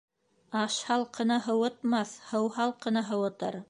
Аш һалҡыны һыуытмаҫ, һыу һалҡыны һыуытыр.